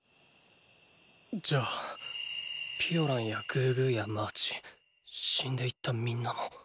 じゃあピオランやグーグーやマーチ死んでいった皆も！